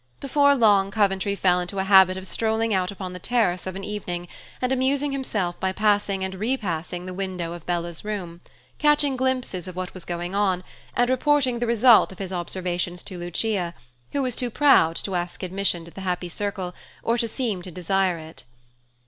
Before long Coventry fell into a habit of strolling out upon the terrace of an evening, and amusing himself by passing and repassing the window of Bella's room, catching glimpses of what was going on and reporting the result of his observations to Lucia, who was too proud to ask admission to the happy circle or to seem to desire it.